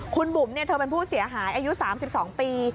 คุณบุ๋มเธอเป็นผู้เสียหายอายุ๓๒ปี